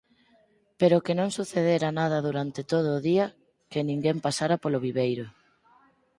Pero que non sucedera nada durante todo o día, que ninguén pasara polo viveiro.